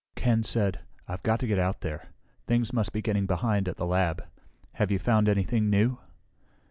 Ken said, "I've got to get out of here. Things must be getting behind at the lab. Have you found anything new?"